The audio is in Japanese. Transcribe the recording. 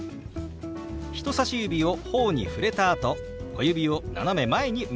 人さし指を頬に触れたあと小指を斜め前に動かします。